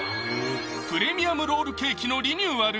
プレミアムロールケーキのリニューアル